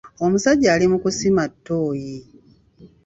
Omusajja ali mu kusima ttooyi.